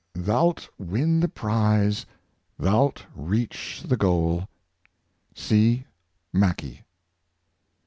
Thou'lt win the prize, thou'lt reach the goal." — C. Mackay.